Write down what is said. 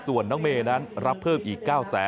ส่วนน้องเมย์นั้นรับเพิ่มอีก๙๐๐